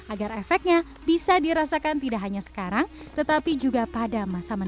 agar efeknya bisa dirasakan tidak hanya sekarang tapi juga di masa depan